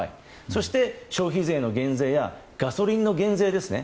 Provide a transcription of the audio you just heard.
そして、消費税の減税やガソリンの減税ですね。